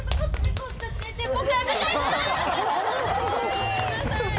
ごめんなさい。